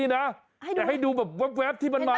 ไม่ใช่ให้ดูอีกภาพธิตนี่นะ